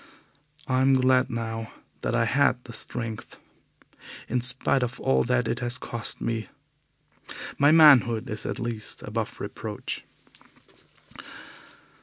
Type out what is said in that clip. I am glad now that I had the strength. In spite of all that is has cost me, my manhood is at least above reproach.